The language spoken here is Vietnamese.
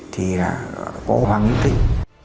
thì là có hoàng hữu thịnh